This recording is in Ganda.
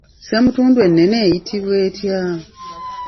Ssemutundu ennene eyitibwa etya?